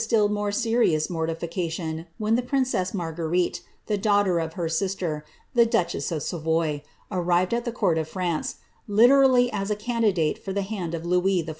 I6t more serious mortification when the princess Bfarguerite, the er of her sister, the duchess of Savoy, amTed at the court of , literally as a candidate for the hand of Louis XIV.